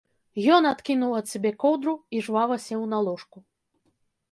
Ён адкінуў ад сябе коўдру і жвава сеў на ложку.